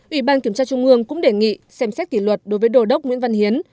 ủy ban kiểm tra trung ương cũng đề nghị xem xét kỷ luật đối với đồ đốc nguyễn văn hiến